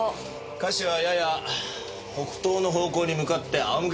下肢はやや北東の方向に向かって仰向け。